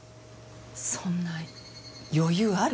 そんな余裕ある？